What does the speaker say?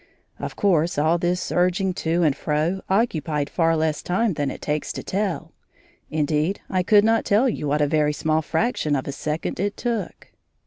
Of course all this surging to and fro occupied far less time than it takes to tell. Indeed, I could not tell you what a very small fraction of a second it took.